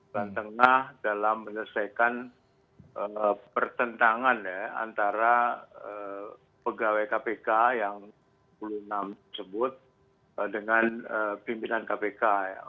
jalan tengah dalam menyelesaikan pertentangan antara pegawai kpk yang lima puluh enam tersebut dengan pimpinan kpk